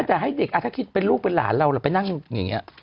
ไม่แต่ให้เด็กอาจจะคิดเป็นลูกเป็นหลานเราหรือไปนั่งอย่างเงี้ย